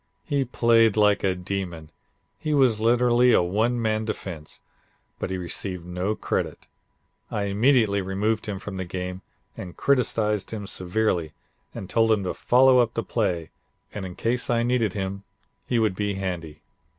He played like a demon; he was literally a one man defense, but he received no credit. I immediately removed him from the game and criticised him severely and told him to follow up the play and in case I needed him he would be handy.